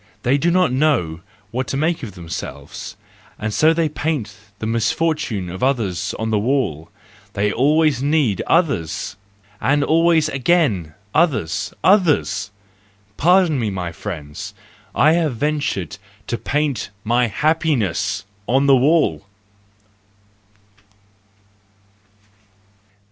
They do not know what to make of themselves—and so they paint the misfortune of others on the wall; they always need others! And always again other others !—Pardon me, my friends, I have ventured to paint my happiness on the wall.